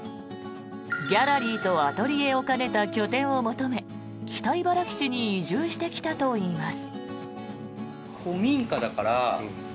ギャラリーとアトリエを兼ねた拠点を求め北茨城市に移住してきたといいます。